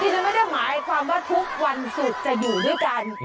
ที่นั้นไม่ได้หมายความว่าทุกข์วันสุดจะอยู่ด้วยกัน